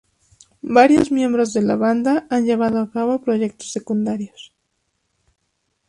Varios miembros de la banda han llevado a cabo proyectos secundarios.